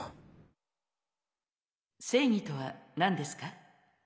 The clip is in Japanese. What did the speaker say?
正義とは何ですか？